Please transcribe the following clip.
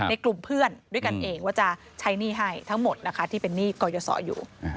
กลุ่มเพื่อนด้วยกันเองว่าจะใช้หนี้ให้ทั้งหมดนะคะที่เป็นหนี้กรยศรอยู่